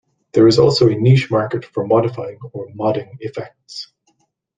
There is also a niche market for modifying or "modding" effects.